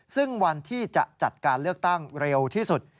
ซึ่งวันที่จะจัดการเลือกตั้งเร็วที่สุด